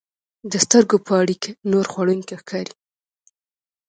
د سترګو په اړیکه نور خوړونکي ښکاري.